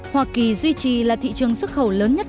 hoa kỳ duy trì là thị trường xuất khẩu lớn nhất